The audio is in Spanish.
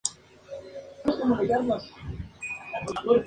La comunidad se encuentra en Midland Valley.